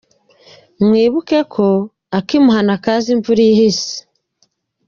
Mwibuke ko “akimuhana kaza imvura ihise”.